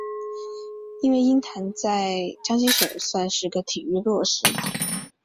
因为鹰潭在江西省算是个体育弱市。